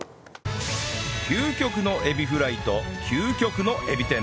究極のエビフライと究極のエビ天